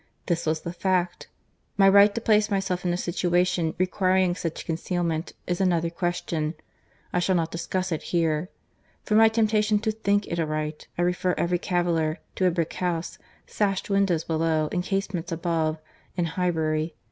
This was the fact. My right to place myself in a situation requiring such concealment, is another question. I shall not discuss it here. For my temptation to think it a right, I refer every caviller to a brick house, sashed windows below, and casements above, in Highbury.